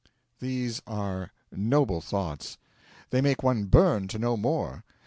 'These are noble thoughts. They make one burn to know more.